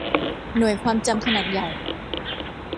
หน่วยความจำขนาดใหญ่